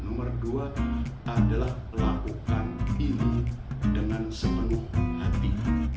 nomor dua adalah melakukan ini dengan sepenuh hati